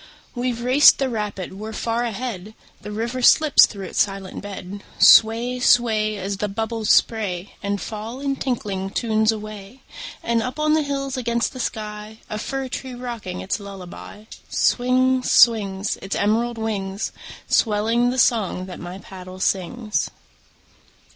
We've raced the rapid, we're far ahead! The river slips through its silent bed. Sway, sway, As the bubbles spray And fall in tinkling tunes away. And up on the hills against the sky, A fir tree rocking its lullaby, Swings, swings, Its emerald wings, Swelling the song that my paddle sings.